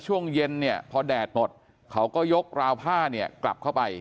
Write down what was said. ช่วงเย็นเนี่ยพอแดดหมดเขาก็ยกราวผ้าเนี่ยกลับเข้าไป